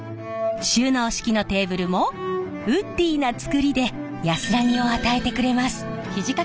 収納式のテーブルもウッディーな作りで安らぎを与えてくれます。